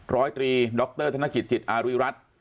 ร้อยตรีดรธนกิจจิตอาริรัติ